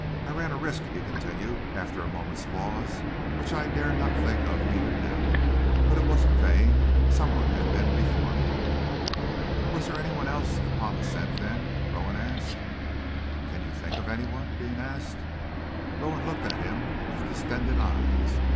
I ran a risk," he continued, after a moment's pause, "which I dare not think of, even now, but it was in vain. Someone had been before me." "Was there anyone else upon the scent, then?" Rowan asked. "Can you think of anyone?" Deane asked. Rowan looked at him with distended eyes.